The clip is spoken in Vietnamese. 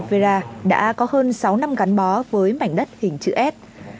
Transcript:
chị oliveira đã có hơn sáu năm gắn bó với mảnh đất hình chữ s